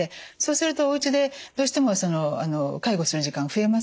するとおうちでどうしても介護する時間増えますよね。